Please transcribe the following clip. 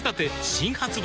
新発売